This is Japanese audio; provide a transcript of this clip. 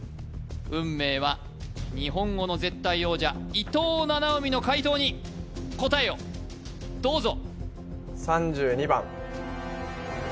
運命は日本語の絶対王者伊藤七海の解答に答えをどうぞ！